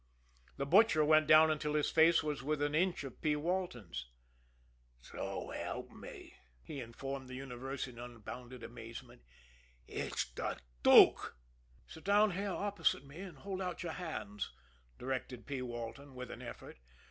The Butcher bent down until his face was within an inch of P. Walton's. "So help me!" he informed the universe in unbounded amazement. "It's de Dook!" "Sit down there opposite me, and hold out your hands," directed P. Walton, with an effort.